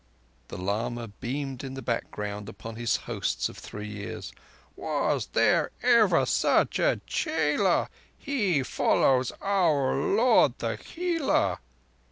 The lama beamed in the background upon his hosts of three years. "Was there ever such a chela? He follows our Lord the Healer."